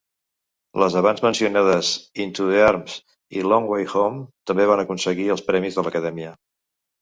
Les abans mencionades Into The Arms i Long Way Home també van aconseguir els premis de l'Acadèmia.